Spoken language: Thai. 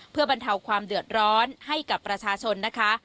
เพื่อบรรเทาความเดือดร้อนให้กับประชาชนนะคะ